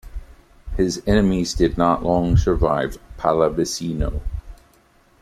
His enemies did not long survive Pallavicino.